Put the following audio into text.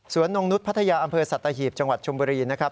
นงนุษย์พัทยาอำเภอสัตหีบจังหวัดชมบุรีนะครับ